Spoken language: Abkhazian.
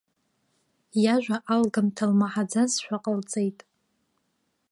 Иажәа алгамҭа лмаҳаӡазшәа ҟалҵеит.